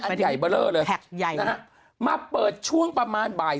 ใหญ่เบอร์เลอร์เลยแท็กใหญ่นะฮะมาเปิดช่วงประมาณบ่าย